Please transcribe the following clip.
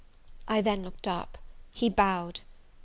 I then looked up. He bowed.